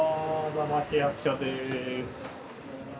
座間市役所です。